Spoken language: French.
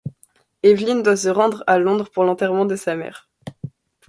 Évelyne doit se rendre à Londres pour l'enterrement de sa mère.